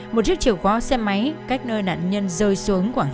một chiếc chiều có xe máy cách nơi nạn nhân rơi xuống khoảng hai mươi mét